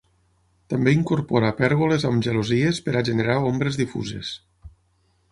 També incorpora pèrgoles amb gelosies per a generar ombres difuses.